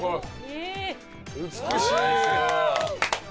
美しい！